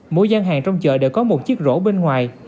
mỗi gian hàng trong chợ đều có một chiếc rỗ bên ngoài